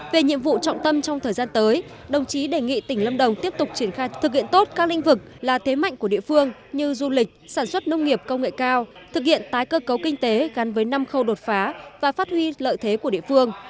về nhiệm vụ trọng tâm trong thời gian tới đồng chí đề nghị tỉnh lâm đồng tiếp tục triển khai thực hiện tốt các lĩnh vực là thế mạnh của địa phương như du lịch sản xuất nông nghiệp công nghệ cao thực hiện tái cơ cấu kinh tế gắn với năm khâu đột phá và phát huy lợi thế của địa phương